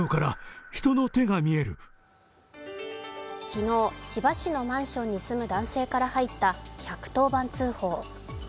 昨日、千葉市のマンションに住む男性から入った１１０番通報。